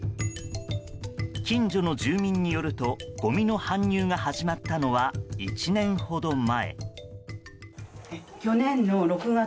近所の住民によるとごみの搬入が始まったのは１年ほど前。